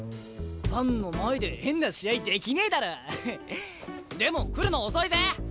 ファンの前で変な試合できねえだろ。でも来るの遅いぜ。